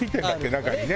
中にね。